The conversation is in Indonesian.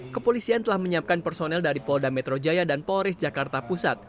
kepolisian telah menyiapkan personel dari polda metro jaya dan polres jakarta pusat